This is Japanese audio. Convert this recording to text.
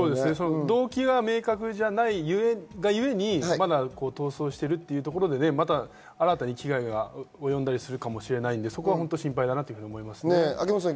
動機が明確じゃないがゆえにまだ逃走しているっていうところで、また新たに被害がおよんだりするかもしれないので心配だなと思います。